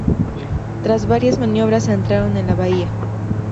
Tras varias maniobras entraron en la bahía.